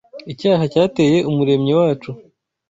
icyaha cyateye Umuremyi wacu